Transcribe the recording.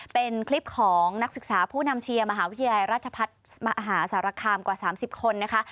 เป็นคลิปของนักศึกษาผู้นำเชียร์มหาวิทยาลัยราชพัฒน์มหาสารคามกว่า๓๐คนนะคะ